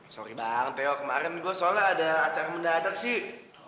sorry bang teo kemaren gue soalnya ada acara mendadak sih